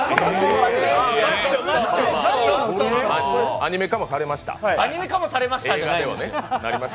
アニメ化もされました。